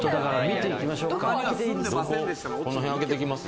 この辺開けていきます。